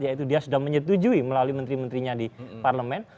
yaitu dia sudah menyetujui melalui menteri menterinya di parlemen